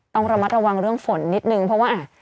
ต้องระมัดระวังเรื่องฝนนิดนึงเพราะว่าอ่ะ